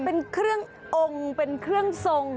เป็นเครื่ององค์เป็นเครื่องทรง